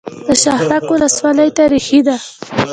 د شهرک ولسوالۍ تاریخي ده